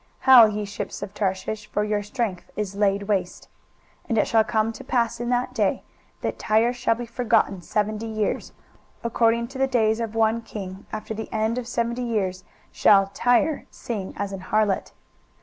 23:023:014 Howl, ye ships of Tarshish: for your strength is laid waste. 23:023:015 And it shall come to pass in that day, that Tyre shall be forgotten seventy years, according to the days of one king: after the end of seventy years shall Tyre sing as an harlot.